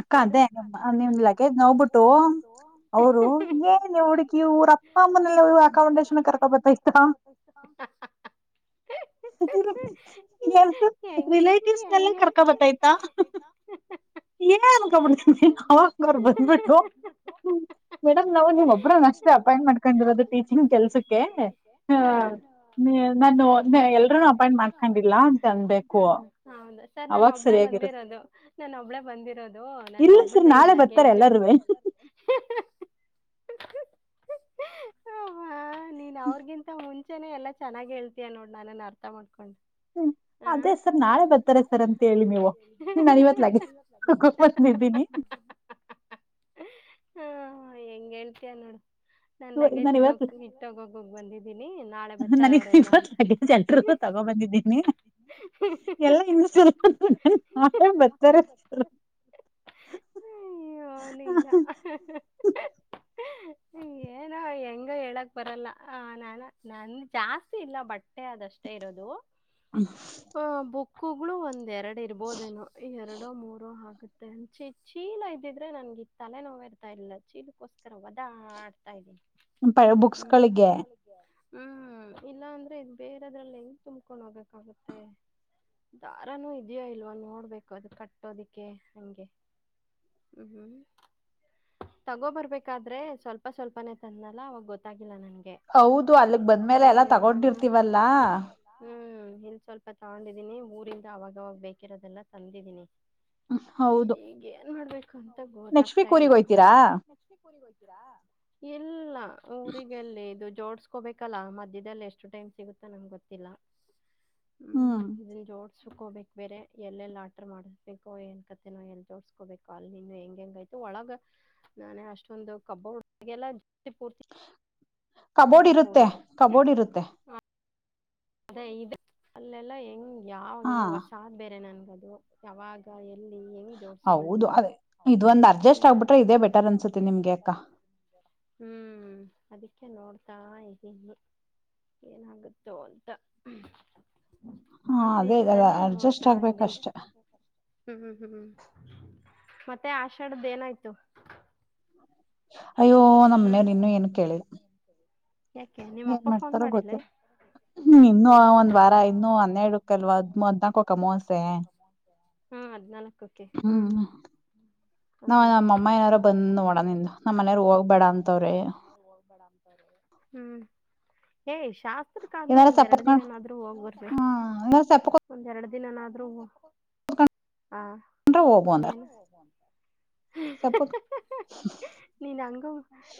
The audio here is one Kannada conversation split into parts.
ಅಕ್ಕ ಏನು ಅದೇ ನಿಮ್ [unintelligible] ಲಗೇಜ್ ನೋಡ್ಬಿಟ್ಟು ಅವರು ಏನ್ ಹುಡುಗಿ ಇವ್ರ ಅವರು ಅಪ್ಪ ಅಮ್ಮನೆಲ್ಲ ಅಮ್ಮ ಅಕಾಮಡೇಶನ್ ಕರ್ಕೊ ಬರ್ತೈತಾ ಬೇಡಲು [unintelligible] [unintelligible] [unintelligible] ಹೆಂಗ್ ರಿಲೇಟಿವ್ಸ್ ಅಲಾ ಹೆಂಗ್ ಕರ್ಕೋಡು ಬತಾಯತಾ [unintelligible] ಬಂದ್ಬಿಟ್ಟು [unintelligible] ಮೇಡಮ್ ನಾವು ನೀವ ಒಬ್ರ ಅಷ್ಟೇ ಅಪಾಯಿಂಟ್ ಮಾಡ್ಕೊಂಡಿರೋದು ಟೀಚಿಂಗ್ ಕೆಲ್ಸಕ್ಕೆ ಹಾ ಹೌದಾ ನಾನು ಎಲ್ರ ಅಪಾಯಿಂಟ್ ಮಾಡ್ಕೊಂಡಿಲ್ಲ ಅಂತ ಅನ್ಬೇಕು ಸರ್ ನಾನು ಅವಾಗ ಒಬ್ಳೇ ಸರಿಯಾಗಿರುತ್ತೆ ನಾನು ಅವಳ ದು ಇಲ್ಲ ಸರ್ ನಂದುೊಬ್ಬಳ್ದ ಇದ ನಾಳೆ ಬರ್ತಾರೆ ಲಗೇಜ್ ಎಲ್ಲಾರೂವೆ [unintelligible] [unintelligible] ನೀನ್ ಅವ್ರಿಗಿಂತ ಮುಂಚೆನೆ ಎಲ್ಲ ಚೆನ್ನಾಗಿ್ ಹೇಳ್ತಯ ನೋಡ್ ನಾನನ್ ಅರ್ಥ ಮಾಡ್ಕೊಂಡು ಹ್ಮ್ ಅದೇ ಸರ್ ನಾಳೆ ಬರ್ತಾರೆ ಸರ್ ಅಂತೇಳಿ ನೀವು ನಾನ್ ಇವತ್ ಲಗೇಜ್. ಕಪ್ಪಪತ್ನಿದ್ದಿನಿ. ಹ ಹೆಂಗ್ ಅಂತೀಯಾ ಏನ. ನಾನ್ ಲಗೇಜ್ ಇಡ ಇಟ್ಟೋಗೋಗೋಗ ಬಂದಿದ್ದೀನಿ ನಾಳೆ ಬರ್ತಾರ ಅವರೆಲ್ಲ ಅಂತ. ತಗೋ ಬಂದಿದ್ದೀನಿ. ಎಲ್ಲ [unintelligible] ಬರ್ತಾರೆ ಅಯ್ಯೋ ಲೀಲಾ [unintelligible] ಏನೋ ಹೆಂಗ ಹೇಳಕ್ ಬರಲ್ಲ ಆ ನಾನ ನನ್ ಜಾಸ್ತಿ ಇಲ್ಲ ಬಟ್ಟ. ಬಟ್ಟೆ ಅಷ್ಟೇ ಇರೋದು ಬುಕ್ಕುಗಳು ಒಂದ್ ಎರಡ. ಇರ್ಬೋದೇನೋ ಈ ಎರಡು ಮೂರು ನಾಲ್ಕ. ಗೆ ಚ ಚೀಲ ಇದ್ದಿದ್ರೆ ನನಗೆ ತಲೆನೋವು ಇರ್ತಾ ಇಲ್ಲ ಚೀಲಕ್ಕೋಸ್ಕರ ವದಾ ಆಡ್ತಾ ಇದೀನಿ. ಬುಕ್ಸ್ ಹ್ಮ. ಗಳಿಗೆ ಹ್ಮ್ ಇಲ್ಲಾ ಅಂದ್ರೆ ಇ ಬೇರೆದ್ರಲ್ಲಿ ಹೆಂಗ ತುಂಬಕೊಂಡ್ ಹೋಗ್ಬೇಕಾಗುತ್ತೆ. ದಾರಾನೂ ಇದೆಯೋ ಇಲ್ವಾ ನೋಡ್ಬೇಕು ಅದು ಕಟ್ಟೋದಿಕ್ಕೆ. ಹಂಗೆ ಹ್ಮ್ ಹ್ಮ್. ತಗೋಬರ್ಬೇಕಾದ್ರೆ ಸ್ವಲ್ಪ ಸ್ವಲ್ಪನೆೇ ತಂದ್ನಲ್ಲ ಅವಾಗ ಗೊತ್ತಾಗ. ಹೌದು ಅಲ್ಲಿಗ್ ಬಂದ್ಮೇಲೆ ಎಲ್ಲ ಇವಾಗ ತಗೊಂಡಿರ್ತವಲ್ಲ. ಹ್ಮ್ ಇಲ್ ಸ್ವಲ್ಪ ತಗೊಂಡಿದ್ದೀನಿ ಊರಿಂದ ಅವಾಗವಾಗ ಬೇಕಿರೋದೆಲ್ಲ ತಂದಿದ್ದೀನಿ. ಹಮ್ ಹೌದು. ಕಂಠ ನೆಕ್ಸ್ಟ್ ಗೊತ್ತಾಗ್ತಾ ವೀಕ್ ಇಲ್ಲ. ಊರಿಗ್ ಹೋಯ್ತೀರಾ ಇಲ್ಲ ಊರಿಗೆಲ್ಲಿ ಇದು ಜೋಡ್. ಕೋಬೇಕಲ್ಲ ಮಧ್ಯದಲ್ಲಿ ಎಷ್ಟು ಟೈಮ್ ಸಿಗುತ್ತ ನಮ್ಗೆ ಗೊತ್ತಿಲ್ಲ ಹ್ಮ್ ಹ್ಮ. ಸುಕೋಬೇಕು ಬೇರೆ ಎಲ್ಲೆಲ್ಲ ಆಟ್ರ ಮಾಡಿಸ್ಬೇಕೋ ಏನ್. [inaudible] ತೋರ್ಸ್ಕೋಬೇಕ ಅಲ್ ನೀನು ಹೆಂಗ ಹೆಂಗಯ್ತು ಒಳಗ ನಾನೇ ಅಷ್ಟೊಂದು ಕಬೋರ್ಡ್ಗೆಲ್ಲ. ಕಬೋರ್ಡ್ ನೋಡಕ್ ಹೋಗಿ ಇರುತ್ತೆ ಕಬೋರ್ಡ್ ಇರುತ್ತೆ. ಅದ ಇದೇ ಅಲ್ಲೆಲ್ಲ ಹೆಂಗ ಹಾ ಯಾವನು ಹೊಸಾದ್ ಬೇರೆ ನನ್ಗದು ಯಾವಾಗ ಏನ. [inaudible] ಹೌದು ಅದೇ ಇದೊಂದು ಒಂದ್ ಅಡ್ಜಸ್ಟ್ ಅಂತ ಆಗ್ಬಿಟ್ರೆ ಇದೇ ಬೆಟರ್ ಅನ್ಸತ್ತೆ ನಿಮ್ಗೆ ಅಕ್ಕ. [inaudible] ಅದಕೆ ನೋಡ್ತಾ ಇದ್ದೀನಿ ಏನಾಗುತ್ತೋ ಅಂತ. ಹಾ ಆಗ್ಲಿ ಅದೇ ಇವಗ ಅಂತಾನೇ ಅ ಅಡ್ಜಸ್ಟ್ ನೋಡ್ತಾ ಇದ್ದೀನಿ ಆಗ್ಬೇಕಷ್ಟೆ. ಹ್ಮ್ ಹ್ಮ್ ಮತ್ತೆ ಆಷಾಢದ್ದ ಏನಾಯ್ತು. ಅಯ್ಯೋ ಹ್ಮ್ ನಮನೆಯಲ್ಲಿ ಇನ್ನು ಏನ್ ಕೇಳಿಲ್ಲ. ಯಾಕೆ ನಿಮ್ಮ ಏನ್ ಅಪ್ಪ ಫೋನ್ ಮಾಡ್ತಾರೋ ಮಾಡಿಲ್ಲ. ಗೊತ್ತಿಲ್ಲ ಒಂದ್ ವಾರ ಇನ್ನೂ ಇನ್ನೂ ಒಂದು ವಾರ ಆಯ್ತು ಹನ್ನೆರಡಕ್ಕಲ್ವಾ ಹದ್ ಅಲ್ಲೇ ಇರಬೇಕು [unintelligible] ಹದ್ನಾಲ್ಕಕ್ ಅಮವಾಸೆ ಹ್ಮ ಹದ್ನಾಲ್ಕಕೆ ಹ್ಮ್. ನಾ ಅದ ಅದೇ ನಮ್ಮ ಅಮ್ಮ ಏನಾರು ಬಂದ ನೋಡ ನಿಂದ ನಮ್ಮ ಮನಗ. ಹ್ಮ್ ಏ. ಶಾಸ್ತ್ರಕ್ಕ ಆದ್ರೂ ಏನಾರ ಒಂದ್ ಎರಡ ಸಪ್ಪತ್ಕೊಂಡ್ ದಿನನಾದ್ರು ಹೋಗಬೇಕ ಹ್ಮ್ ಏನಾರ ಸಪ್ಪಕೊಂಡ್ರೆ ಒಂದೆರಡ. ದಿನನಾದ್ರೂ. ಆ ಅಂದ್ರು ಹೋಗಅಂದ ಏನು ಸಪೋತಾ. ನೀನ್ ಹಂಗು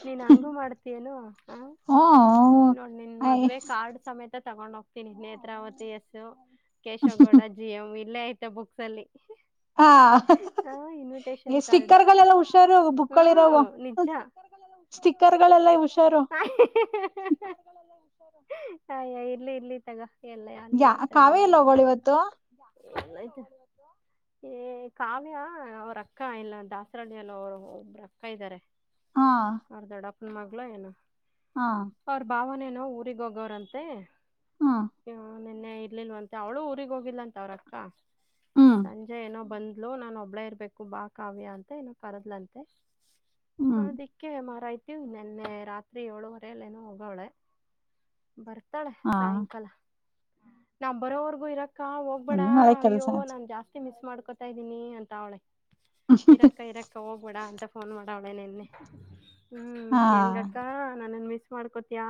ನೀನ್ ಹಂಗು ಮಾಡ್ತನು ಹ ಹ್ಮ್ ನೋಡ್ ನಿನ್ ಅಯ್ ಮದ್ವೆ ಕಾರ್ಡ್ ಸಮೇತ. ತಗೊಂಡ್ ಹೋಗ್ತೀನಿ Netravati S Keshava Gowda G M ಇಲ್ಲೇ ಐತೆ ಬುಕ್ಸ್ ಅಲ್ಲಿ. ಹಾ ಹ ಇನ್ವಿಟೇಶನ್ ಕಾರ್ಡ್ ಸ್ಟಿಕ್ಕರ್ಗಳಲ್ಲೆಲ್ಲ ಹುಷಾರ ಬುಕ್ಕಗಳಿರವು. [inaudible] ಹ ಇಲಿ ಇರ್ಲಿ ತಗ. ಎಲ್ಲ ಅಲ್ಲೇ ಯ ಕಾವೇಲ್ಲ ಹೋಳ ಇವತ್ತು. ಯಲ್ಲಾಯತ್. ಏ ಕಾವ್ಯಾ ಅವ್ರಕ್ಕ ಇಲ್ಲಂತಾ ದಾಸರಳ್ಳಿ ಅಲ್ಲ ಅವರು ಒಬ್ಬ್ರ ಅಕ್ಕ ಇದ್ದಾರೆ. ಹಾ ಅರ್ಧಡಪ್ಪನ ಮಗ್ಲ ಏನು ಹಾ ಅವ್ರ ಭಾವಾನ ಏನು ನಾ ಊಗ್ ಹೋಗವ್ರಂತೆ ಹ್ಮ್ ನಿನ್ನೆ ಇರ್ಲಿಲ್ವಂತೆ ಅವಳು ಊರಿಗೆ ಹೋಗಿಲ್ಲ ಅಂತ ಅವ್ರಕ್ಕ ಹ್ಮ್ ಸಂಜೆ ಏನೋ ಬಂದ ನಾನನ್ ಒಬ್ಳ ಇರ್ಬೇಕು ಬಾ ಕಾವ್ಯ ಅಂತ ಏ ಕರದ್ಲಂತೆದಿ ಹ್ಮ್ ಮಾರಯ್ತಿನ್ನೆನ್ನೆ ರಾತ್ರಿ ಏಳುವರೆಲ್ಲೇನ ಹೋಗವಳೆ ಬರ್ ತಾಳೆ ಹಾ ಸಾಯಂಕಾಲ ನಾ ಬರೋವರ್ಗೂ ಇರಕ್ ಕಾ ಅ ಹೋಗ್ಬೇಡ ಅದೇ ಅಯ್ಯೋ ಕೆಲಸ ನಾನನ್ ಜಾಸ್ತಿ ಮಿಸ್ ಮಾಡ್ಕೊತಾ ಇದ್ದೀನಿ ಅಂತ ಅವಳೆ ಇರಕ್ಕ ಇರಕ್ಕ ಹೋಗ್ಬೇಡ ಅಂತ ಫೋನ್ ಮಾಡ ಅವಳೆ ನಿನ್ನೆ ಹ್ಮ್ ಹಾ ಹೆಂಗ ಅಕ್ಕಾ ನನ್ನನ್ ಮಿಸ್ ಮಾಡ್ಕೋತಿಯ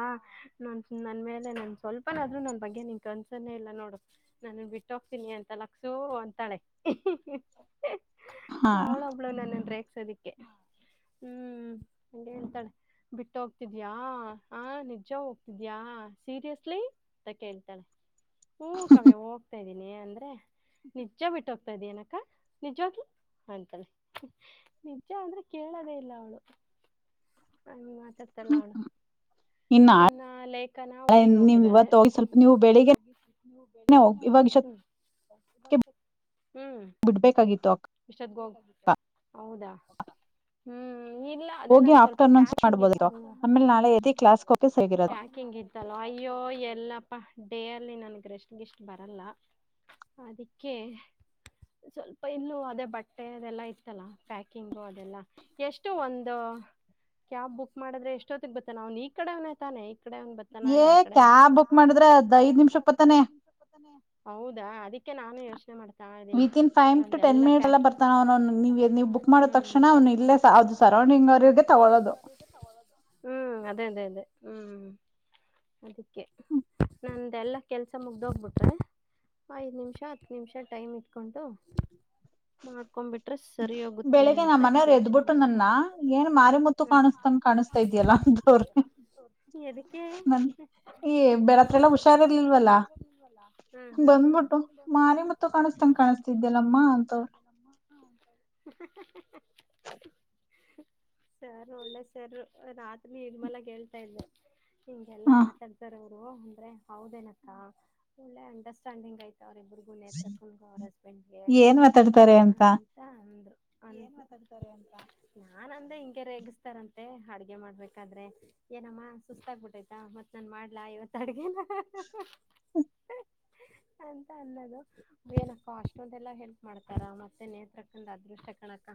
ನನ್ ನನ್ ಮೇಲೆ ನನ್ ಸ್ವಲ್ಪನಾದ್ ನನ್ ಬಗ್ಗೆ ನಿನ್ ಕನ್ಸನೇ ಇಲ್ಲ ನೋಡು ನಾನು ಬಿಟ್ಟ ಹೋಗ್ತೀನಿ ಅಂತ ಲಕ್ಸು ಅಂತಾಳೆ ಹ ಅವಳೋ ಅವಳೋ ನಾನು ರೇಕ್ ಸೋದಕ್ಕೆೆ ಹಂಗೆ ಹೇಳ್ತಾಳೆ ಬಿಟ್ಟ ಹೋಗ್ತಿದ್ಯಾ ಆ ನಿಜ ಹೋಗ್ತಿದ್ಯಾ ಸೀರಿಯಸ್ಲಿ ಅಂತ ಕೇಳ್ತಾಳೆ ಹೂ ಕಮ್ಮೆ ಹೋಗ್ತೇನ ಅಂದ್ರೆ ನಿಜ ಬಿಟ್ಟು ಹೋಗ್ತಾ ಇದ ಏನಕ್ಕ ನಿಜಾಗ್ಲಿ ಅಂತಳ ನಿಜ ಅಂದ್ರೆ ಕೇಳದೇ ಇಲ್ಲ ಅವಳು ಚತ್ತ ಲಣ ಇನ್ನು ನಾಳೆ ಇನ್ನ ಲೇಖನ ಊಗ್ ನೀವ್ ಹೋಗಿದ್ದಾಳೆ ಇವತ್ ಹೋಗಿ ಸ್ವಲ್ಪ ಭಷ ಬಂಚ ಹ್ಮ್ ಬಿಡ್ಬೇಕಾಗಿತ್ತು ಅಕ್ಕ ಇಶತ್ಗ ಹೌದಾ ಹ್ಮ್ ಇಲ್ಲ ಅದೇ ನ ಹೋಗಿ ಸ್ವಲ್ಪಂಗಗ್ ಆಫ್ಟರ್ನೂನ್ ಮಾಡ್ಬೋದಿತ್ತು ಆಮೇಲೆ ನಾಳೆ ಎದಿ ಕ್ಲಾಸ್ಗೆ ಹೋಗಕೆ ಸರಿಯಾಗಿರೋದು ಅಯ್ಯೋ ಎಲ್ಲಪ್ಪ ಡೇರ್ ಲ್ಲಿ ನನ್ಗೆ ರಷ್ಟಿಷ್ಟ ಬರಲ್ಲ ಅದಕ್ಕೆ ಸ್ವಲ್ಪ ಇನ್ನುಅದೇ ಬಟ್ಟೆ ಅದೆಲ್ಲಾ ಇತ್ತಲ್ಲ ಪ್ಯಾಕಿಂಗು ಅದೆಲ್ಲಾ ಎಷ್ಟ ಎಷ್ಟು ಒಂದು ಕ್ಯಾಬ್ ಬುಕ್ ಮಾಡಿದ್ರೆ ಎಷ್ಟೊತ್ತಿಗೆ ಬತ್ತೆ ನಾನ್ ಈ ಕಡೆವನೇ ತಾನೆ ಏ ಯಾಕಡೆ ಕ್ಯಾಬ್ ಬುಕ್ ಅದ್ ಮಾಡಿದ್ರೆ ಐದ್ ನಿಮಿಷ ಬತ್ತಾನೆ ಹೌದಾ ಅದೆ ನಾನು ಯೋಚನೆ ಮಾಡ್ತಾ ಇದ್ದೀನಿ ವಿತಿನ್ ಫೈವ್ ಟು ಟೆನ್ ನಲ್ಲ ಮಿನಿಟ್ಸ್ ಪ್ಯಾ ಎಲ್ಲ ಬರ್ತಾನ ಅವನು ನೀವ್ ನೀವ್ ಬುಕ್ ಮಾಡೋ ತಕ್ಷಣ ಅವ್ನು ಹ್ಮ ಇಲ್ಲೇ ಅದು ಸರೌಂಡಿಂಗ್ ಅವರಿಗೆ ತಗೊಳ್ಳೋದು ಹ್ಮ್ ಅದೇ ಅದೇ ಅದೇ [inaudible] ಅದಿಕ್ಕೆ ನಂದ ಎಲ್ಲಾ ಕೆಲ್ಸ ಮುಗ್ದೋಗ್ಬಿಟ್ರೆ ಐದ್ ನಿಮಿಷ ಹತ್ತು ನಿಮಿಷ ಟೈಮ್ ಇಟ್ಕೊಂಡು ಮಾಡ್ಕೊ ಬಿಟ್ರೆ ಸರಿ ಹೋಗುತ್ತೆ ಅಂತ ಯೋಚನೆ ಟ್ಟ ನನ್ನ ಮಾಡ್ತಾಳೆ ಏನ್ ಮಾರಿಮುತ್ತು ಕಾಣಿಸಸ್ತಂಗ ಕಾಣಿಸಸ್ತಾ ಇದ್ಯಲ್ಲ ಅಂತವ್ರಿ ಎದಕ್ಕೆ ಬೆಳತ್ರೆಲ್ಲ ಹ್ಮ್ ಹ್ಮ್ ಹ ಅಬಿಟ್ಟು ಮನೆ ಮತ್ತು ಕಾಣಿಸ್ತಂಗ ಕಾಣಿಸ್ತಿದ್ದ್ಯಲ್ಲಮ್ಮ ಅಂತ [inaudible] ಸರ್ ಒಳ್ಳೆ ಸರ್ ಆತನೀ ಇದ ಮಲ ಹೇಳ್ತಾ ಇದೆ ಹಿಂಗೆ ಹ ಎಲ್ಲಾ ಆಟಾಡ್ತಾರ ಅವರು ಅಂದ್ರೆ ಹೌದೇನಕ್ಕ ಒಳ್ಳೆ ಅಂಡರ್ಸ್ಟ್ಯಾಂಡಿಂಗ್ ಆಯ್ತ ಅವರಿಬ್ಬರಿಗುನೆೇ ಹತ್ರ ತಗ ಅವ್ರ ಹಸ್ಬೆಂಡ್ಗೆ ಏನ್ ಮಾತಾಡ್ತಾರೆ ಅಂತ ಅಂದ್ರು ಅನ್ ಮಾತ [inaudible] ನಾನ್ ಅಂದೆ ಹಿಂಗಗೆ ರಗಸ್ತಾರಂತೆ ಅಡ್ಗೆ ಮಾಡ್ಬೇಕಾದ್ರೆ ಏನಮ್ಮ ಸುಸ್ತ ಆಗ್ಬಿಟ್ಟೈತಾ ಮತ್ ನನ್ ಮಾಡ್ಲಾ ಇವತ್ತ ಅಡ್ಗೆನ [inaudible] ಅಂತ ಅನ್ನೋದು ಏನಕ್ಕ ಅಷ್ಟೊದೆಲ್ಲಾ ಹೆಲ್ಪ್ ಮಾಡ್ತಾರ ಮತ್ತೆ ನೇಹತ್ರಕ ಅದೃಷ್ಟ ಕಕ್ಕ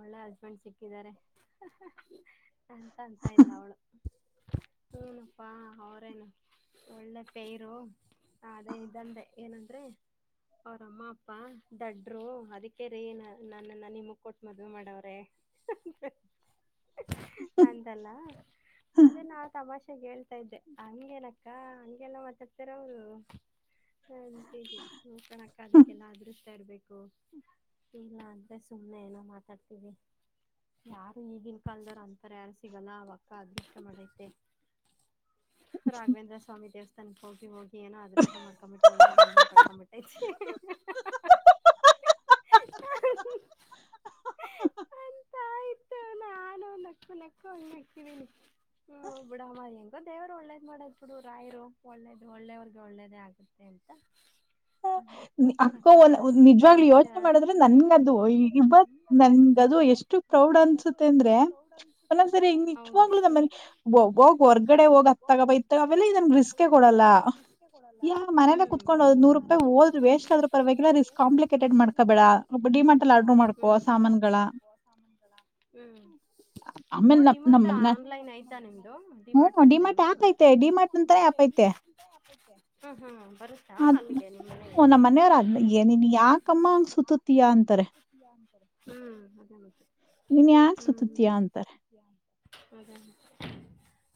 ಒಳ್ಳೆ ಹಸ್ಬೆಂಡ್ ಸಿಕ್ಕಿದ್ದಾರೆ ಅಂತ ಅಂತ ಇಲ್ಲ ಅವಳು ಹೂನಪ್ಪಾ ಅವ್ರೇನು ಒಳ್ಳೆ ಪೇರು ಹ ಅದೇ ಇದಂದೆ ಏನಂದ್ರರಿ ಅವ್ರಮ್ಮ ಅಪ್ಪಾ ದಡ್ರು ಅದಕ್ಕೆ ರೀ ನನ್ನ ನ ನಿಮ ಕೊಟ್ಟ ಮದುವೆ ಮಾಡವ್ರೆ ಅಂತಲ್ಲ ಅ ನಾ ತಮಾಷೆ ಹೇಳ್ತಾ ಇದ್ದೆ ಹಂಗೇನಕ್ಕ ಹಂಗೆಲ್ಲ ಮಾತಾಡ್ತಾರ ಅವರು ಸಂತಗ್ಲ ನ ಕಣಕದಕ್ಕೆಲ್ಲ ಆದ್ರೂ ತರ್ಬೇಕು ಇಲ್ಲ ಅಂದ್ರೆ ಸುಮ್ಮ್ನೆ ಏನೋ ಮಾತಾಡ್ತೀವಿ ಯಾರು ಈಗಿನ ಕಾಲದಾರ ಅಂತರ ಯಾರು ಸಿಗಲ್ಲ ವಕ್ಕ ಅದೃಷ್ಟ ಮಾಡೈತೆ ರಾಘವೇಂದ್ರ ಸ್ವಾಮಿ ದೇವಸ್ಥ ತನಕ ಹೋಗಿ ಹೋಗಿ ಏನೋ ಅದೃಶ ಮಾಡ್ಕೊಂಬಿಟ್ಟು ಒಳ್ಳೆ ಗಂಡನ್ ಪಡ್ಕೊ್ಂಬಿಟ್ಟೈತಿ ಅಂತ ಆಯ್ತು [inaudible] ನಾನು ಒಂದು ಅಕ್ಕ ಲಲೆಕ್ಕ ಒಣ ಹಾಕಿದ್ದೀನಿ ಹ್ಮ ಬಿಡಮ್ಮ ಹೆಂಗೋ ದೇವರು ಒಳ್ಳೇದ್ ಮಾಡೋದ್ ಬಿಡು ರಾಯರು ಒಳ್ಳೇದು ಒಳ್ಳೆವ್ರಗೆ ಒಳ್ಳೇದೇ ಆಗುತ್ತೆ ಇಂತ ಹ ಅಕ್ಕ ಒಂದು ನಿಜವಾಗ್ಲೂ ಹೇಳ್ತಿನಿ ಎಕ್ಸಾಮ್ ಯೋಚನೇ ಮಾಡಿದ್ರೆ ಕಮ್ಮಿ ಅದು ನನ್ಗದು ಎಷ್ಟು ನಮಗದು ಎಷ್ಟು ಪ್ರೌಡ್ ಅನ್ನ್ಸುತ್ತೆ ಇಲ್ಲ ಸರಿ ಹ್ ನಿಚ್ವಾಗ್ಲ ನಮ್ಮಲ್ಲಿ ಒ ಹೊರ್ಗಡೆ ಹೋಗ ಹ್ಮ್ ಅತ್ತಗ ಬಾ ಇತ್ತಾಗ ಬಾ ಅವೆಲ್ಲ ನನಗ ರಿಸ್ಕೆ ಎನ್ ಅಲ್ಲ ಯಾ ಮನೆೇಲಿ ಹ್ಮ್ ಕುತ್ಕೊಂಡು ಅದೇ ನೂರು ರಪಾಯಿ ಹೋದ್ರು ವೇಸ್ಟ್ ಆದ್ರೂ ಪರವಾಗಿಲ್ಲ ಕಾಂಪ್ ಮಾಡ್ತೇ ಮಾಡ್ಕೋ ಸಾಮಾನ್ಗಳ ಮಾಡ್ ಹೂ ಹೂ ಓ ಆಮೇಲ್ ನಮ್ ಡಿಮಾಟ ನಮ್ಮನ್ನ ಆನ್ಲೈನ್ ಆಯ್ತಾ ನಿಮ್ದು ಡಿಮಾಟ ಹ್ಮ್ ಆನ್ಲೈನು ಹ ಹ್ಮ್ ಹ್ಮ್ ಬರತ್ತಾ ಅಲ್ಲಿಗೆ ನಿಮ್ ಮನೆಗೆ ಕಮನ್ನ ಸುಟ್ಟುತ್ತೀಯ ಅಂತಾರೆ ಹ್ಮ್ ಅದೇ ಮತ್ತೆ ನೀನ್ ಯಾಕ ಸುತ್ತತೀಯಾ ಅಂತಾರೆ ಹೌದ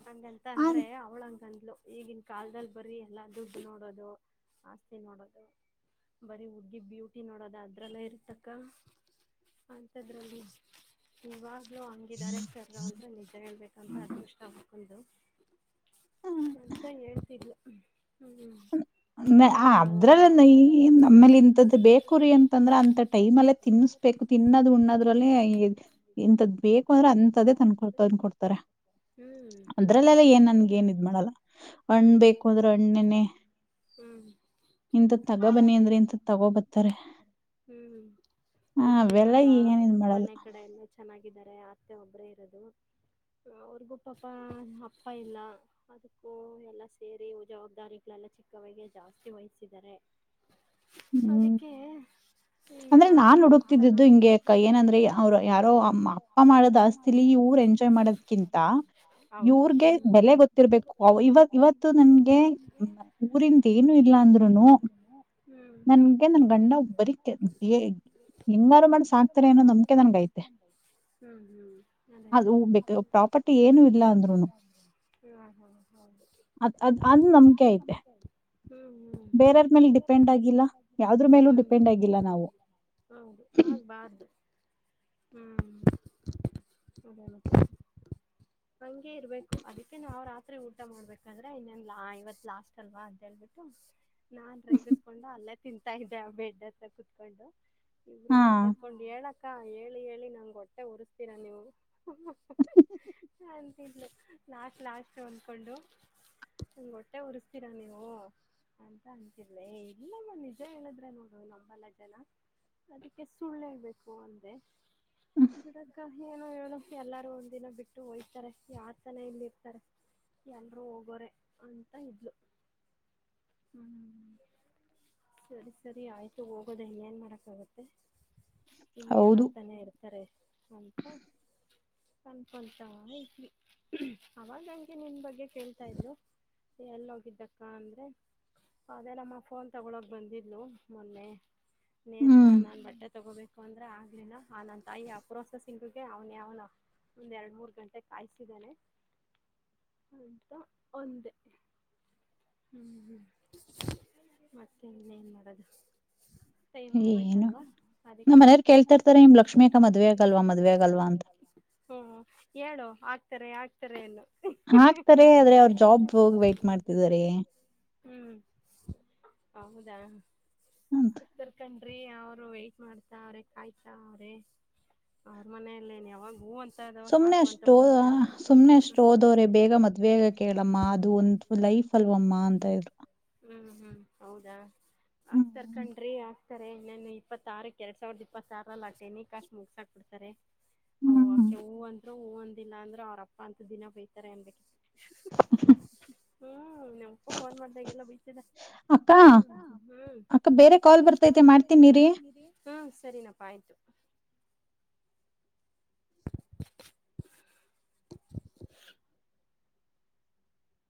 ಹಂಗಂತ ಆ- ಅಂದ್ರೆ ಅವ್ಳಂಗಂದ್ಲು ಈಗಿನ ಕಾಲದಲ್ಲಿ ಬರ ಎಲ್ಲ ದುಡ್ಡು ನೋಡೋದು ಆಸ್ತಿ ನೋಡೋದು ಬರಿ ಹುಗ್ಗಿದ್ ಬ್ಯು ನೋಡೋದ ಅದ್ರಲ್ಲ ಇರ್ತಕ್ಕ ಅಂತದ್ರಲ್ಲಿ ಇವಾಗ ಏನೋ ಹಂಗಿದ್ದಾರೆ ಸರ್ ಅಂದ್ರೆ ನಿಜೆ ಹೇಳ್ಬೇಕಂದ್ರೆ ಅದೃಷ್ಟ ಆ ಅಕ್ಕಂದು ಅಂತ ಹೇಳ್ತಿದ್ಲು ಹ್ಮ್ ಹಾ ಹೂನವ ಅದ್ರಲ್ಲ ಹೂನವ ನು ನಮ್ಮೇಲೆ ಇಂಥದ್ದು ಬೇಕ ಕುರಿ ಅಂತಂದ್ರ ಅಂತ ಟೈಮ ಅಲ್ಲೇ ತಿನ್ನಿಸಬೇಕು ತಿನ್ನದು್ ಉಣ್ಣದ್ರಲ್ಲಿ ಇಂತದ ಬೇಕು ಅಂದ್ರೆ ಹ್ಮ ಅಂತದೇ ತಂದ್ಕೊ ತಂದ್ಕೊಡ್ತಾರೆ ಅದ್ರಲ್ಲೆಲ್ಲ ಮತ್ತೆ ಹೂ ಹ್ಮ್ ಬೇಕು ಅಂದ್ರೆ ಅಣ್ಣನೆ ಹ್ಮ್ ಇಂಥ ತಗೋಬನ್ನಿ ಅಂದ್ರೆ ಇಂಂತ ತಗೋಬತ್ತ ಹ್ಮ್ ಆ ಒಬ್ಬನೇ ಅವೆಲ್ಲಾ ಮಗ ಏನ್ ಇದ್ ಮಾಡಲ್ಲ ಮನೆ ಕಡೆ ಎಲ್ಲ ಚೆನ್ನ ಚೆನ್ನಾಗಿದ್ದರೆ ಅತ್ತೆ ಒಬ್ಬರೇ ಇರೋದು ಅವ್ರಿಗೂ ಪಾಪ ಅಪ್ಪ ಇಲ್ಲ ಅದಕ್ಕೂ ಎಲ್ಲ ಸೇರಿ ಜವಾಬ್ದಾರಿಲ್ಲ ಎಲ್ಲ ಚಿಕ್ಕವ ಜಾಸ್ತಿ ವಹಸಿದರೆ ಹ್ಮ್ ಅಂದ್ರೆ ಈಗ ನಾನ್ ಹುಡುಕ್ತಿದ್ದಿದ್ದು ಚೆನ್ನಾಗಿ ಹಿಂಗೆ ಅ ಏನಂದ್ರೆ ಅವ್ರ ಯಾರೋ ಅ ಅಪ್ಪ ಮಾಡೋದ ಆಸ್ತಿಲಿ ಇವ್ರು ಎಂಜಾಯ್ ಮಾಡೋದ್ಕಿಂತ ಇವ್ರಗೆ ಬೆಲೆ ಗೊತ್ತಿರ್ಬೇಕು ಇವ ಇವತ್ತು ನನ್ಗೆ ಹ್ಮ್ ಊರಿಂದ ಏನು ಇಲ್ಲಾ ಅಂದ್ರುನು ಹ್ಮ್ ನನ್ಗೆ ನನ್ ಗಂಡ ಒಬ್ಬರಿ ಹೆಂಗಾರು ಮಾಡೀ ಸಾಕ್ತಾರೆ ಏನೋ ನಂಬಿಕೆ ನನ್ಗ ಐತೆ ಹ್ಮ್ ಹ್ಮ್ ಅದೇ ಅದು ಅದೇ ಅಪಟ್ಟ ಏನು ಇಲ್ಲ ಅಂದ್ರುನು ಹಾ ಹಾ ಹೌದು ಅ ಅದ್ ಆದ್ರೂ ನಂಬಿಕೆ ಐತೆ ಹ್ಮ್ ಹ್ಮ್ ಬೇರರ್ ಮೇಲೆ ಡಿಪೆಂಡ್ ಆಗಿಲ್ಲ ಯಾವ ಅದ್ರ ಮೇಲೂ ಹ್ಮ್ ಡಿಪೆಂಡ್ ಆಗಿಲ್ಲ ನಾವು ಹ್ಮ. [inaudible] ಹಂಗೆ ಇರ್ಬೇಕ ಅದಕ್ಕೆ ನಾವ ರಾತ್ರಿ ಊಟ ಮಾಡ್ಬೇಕಾದ್ರೆ ಇನ್ನೇನ್ ಲಾ ಇವತ್ ಲಾಸ್ಟ್ ಅಲ್ವಾ ಅಂತೇಳ್ಬಿಟ್ಟು. ನಾನ್ ರೈಗಿಸಕೊಂಡು ಅಲ್ಲೇ ತಿಂತ ತಾ ಇದೆ ಆ ಬೆಡ್ ಹತ್ರ ಕುತ್ಕೊಂಡು ಇಬ್ರು ಹಾ ಮಾತಾಡ್ಕೊಂಡು ಹೇಳಕ್ಕ ಹೇಳಿ ಹೇಳಿ. ನಂಗ ಹೊಟ್ಟೆ ಉರಸ್ತೀರಾ ನೀವು ಅಂತಿದ್ಲು ಲಾಸ್ಟ ಲಾಸ್ಟ. ಹನ್ಕೊಂಡು ನಂಗ ಹೊಟ್ಟೆ ಉರಸ್ತೀರಾ ನೀವು ಅಂತ ಅಂತಿದ್ಲು ಹೇ ಇಲ್ಲ ಮಾ ನಿಜಾ ಹೇಳಿದ್ರೆ ನೋಡ ನಂಬಲ್ಲ ಜನ ಅದಕ್ಕೆ ಸುಳ್ಳು ಹಳ್ಬೇಕು ಅಂದೇ. ಬಿಡಕ್ಕ ಏನು ಹೇಳು ಎಲ್ಲಾರು ಒಂದಿನ ಬಿಟ್ಟು ಹೋಯ್ತಾರೆ ಯಾರ್ತನೇ ಇಲ್ಲಿ ಇರ್ತಾರೆ. ಎಲ್ರೂ ಹೋಗೋರೆ ಅಂತ ಇದ್ಲು ಹ್ಮ. ಸರಿ ಸರಿ ಆಯ್ತು ಹೋಗೋದೆ ಏನ್ ಮಾಡಕ್ಕಾಗತ್ತೆ. ಇಲ್ಲಿ ಯಾರ ಹೌದು ತಾನೇ ಇರ್ತಾರೆ ಅಂತ. ಅನ್ಕೊಂತಾ ಇದ್ವಿ ಅವಾಗಂಗೆ ನಿನ್ ಬಗ್ಗೆ ಕೇಳ್ತಾ ಇದ್ಲು. ಎಲ್ಲಿ ಹೋಗಿದ್ದಕ್ಕ ಅಂದ್ರೆ ಅವದೆ ನಮ್ಮ ಫೋನ್ ತಗಳಕ ಬಂದಿದ್ಲು ಮೊನ್ನೆ ನೇ ತ್ರ ಹ್ಮ್ ನಾನ ಬಡ್ಡ ತಗೋಬೇಕು ಅಂದ್ರ ಆಗ್ಲಿಲ್ಲ ಆ ನನ್ ತಾಯಿ ಆ ಪ್ರೋಸೆಸಿಂಗಗೆ ಅವ್ನ ಯಾವನೋ ಒಂದ್ ಎರಡ ಮೂರ್ ಗಂಟೆ ಕಾಯ್ಸಿದ್ದಾನೆ. ಒಂದ ಹ್ಮ್ ಹ್ಮ್ ಮತ್ತೆ ಇನ್ನೇ ಏನ್ ಮಾಡೋದು. ಟೈಮ್ ಏನು ಹೋಗೋಯತಲ್ವಾ ನಮ್ ಅದಕ್ಕೆ ಮನೆಯವ್ರು ಕೇಳ್ತಾ ಮ ಇರ್ತಾರೆ ನಿಮ್ ಕೇಳ್ತ ಲಕ್ಷ್ಮಿ ಅಕ್ಕ ಮದ್ವೆ ಲಕ್ಷ್ಮ ಆಗಲ್ವಾ ಮದ್ವೆ ಮದ ಆಗಲ್ವಾ ಅಂತ ಹ್ಮ ಹೇಳು ಆಗ್ತಾರೆ ಆಗ್ತಾರೆ ನ್ನು ಹಾಕ್ತಾರೆ ಆದ್ರೆ ಅವರು ಜಾಬ್ ಹೋಗಿ ವೇಟ್ ಮಾಡ್ತಿದಾರೇ. ಹ್ಮ್ ಹೌದಾ ಅಂತ ತರ್ಕ ರೀ ಅವರು ವೆಟ್ ಮಾಡ್ತಾ ಅವ್ರೆ ಕಾಯ್ತಾ ಅವ್ರಿ ಅವ್ರ ಮನಲ್ಲೇ ಯಾವಾಗ ಹೂಂ. ಸುಮ್ನೆ ಅಷ್ಟದ ಸುಮ್ನೆ ಅಷ್ಟು ಓದವ್ರೆ ಬೇಗ ಮದ್ ಬೇಗ ಕೇಳಮ್ಮ ಅದು ಒಂದು ಲೈ ಲೀಫ್ ಅಲ್ವಮ್ಮ ಅಂತ ಇದ್ರು. ಹ್ಮ ಹ್ಮ ಹೌದಾ ಆಕ್ತರ ಹ್ಮ್ ತರ್ಕೊಂಡ್ರಿ ಆ ಇತಾರೆ ಇನ್ನನ್ ಇಪ್ಪತ್ತಾರಕ್ಕೆ ಎರಡ್ ಸಾವಿರದ ಇಪ್ಪತ್ತಾರಲ್ಲಿ ಆಟ ಏಣಿ ಕಾಸ ಮುಗಸಾಕ್ ಬಿಡ್ತಾರೆ. ಓ ಹ್ಮ್ ಅಕೆ ಹೂ ಅಂದ್ರು ಹೂ ಒಂದಿಲ್ಲ ಅಂದ್ರ ಅವ್ರಪ್ಪ ಅಂತ ದಿನ ಬಯತಾರೆ ಎನ್ಬೇಕಿತ್ತು. ಹ್ಮ ನಮ್ಮಪ್ಪ ಫೋನ್ ಮಾಡ್ದಾಗೆಲ್ಲ ಬೈತದ. ಅಕ್ಕ ಯಾಕ ಹ್ಮ. ಅಕ್ಕ ಬೇರೆ ಕಾಲ್ ಬರ್ತೈತೆ ಮಾಡ್ತೀನಿರಿ ಹ್ಮ ಸರಿನಪ್ಪಾ ಆಯ್ತು. [inaudible]